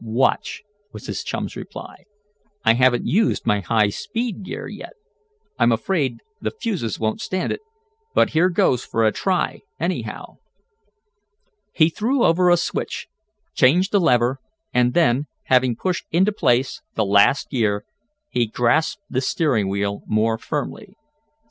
"Watch," was his chum's reply. "I haven't used my high speed gear yet. I'm afraid the fuses won't stand it, but here goes for a try, anyhow." He threw over a switch, changed a lever and then, having pushed into place the last gear, he grasped the steering wheel more firmly.